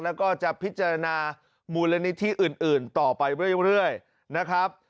แล้วก็จะพิจารณามูลนิธิอื่นต่อไปเรื่อยนะครับ